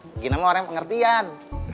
begini mah orang yang pengertian